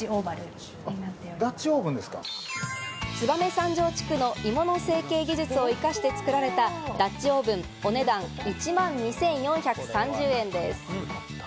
燕三条地区の鋳物成形技術を使って作られたダッチオーブン、お値段１万２４３０円です。